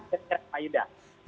sekarang pak yudha